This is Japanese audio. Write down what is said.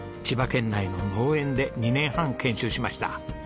千葉県内の農園で２年半研修しました。